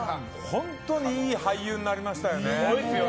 本当にいい俳優になりましたよね。